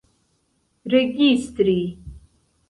registri